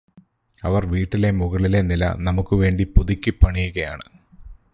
അവർ വീട്ടിലെ മുകളിലെ നില നമുക്ക് വേണ്ടി പുതുക്കിപ്പണിയുകയാണ്